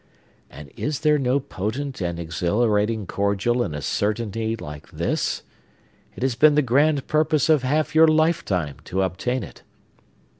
And is there no potent and exhilarating cordial in a certainty like this? It has been the grand purpose of half your lifetime to obtain it.